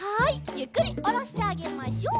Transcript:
ゆっくりおろしてあげましょう。